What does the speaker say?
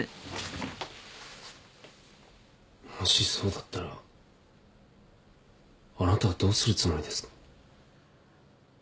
もしそうだったらあなたはどうするつもりですか。